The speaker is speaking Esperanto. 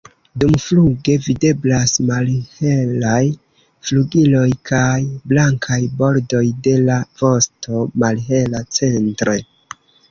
Dumfluge videblas malhelaj flugiloj kaj blankaj bordoj de la vosto, malhela centre.